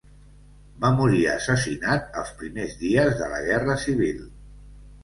Va morir assassinat els primers dies de la Guerra Civil.